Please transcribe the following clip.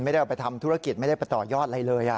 ไม่ได้เอาไปทำธุรกิจไม่ได้ไปต่อยอดอะไรเลย